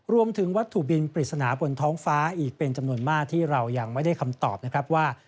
รวมถึงวัตถุบินปริศนาบนท้องฟ้าอีกเป็นจำนวนมากที่เรายังไม่ได้คำตอบนะครับว่า